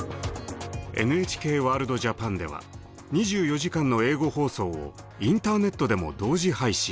「ＮＨＫワールドＪＡＰＡＮ」では２４時間の英語放送をインターネットでも同時配信。